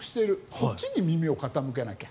そっちに耳を傾けなきゃ。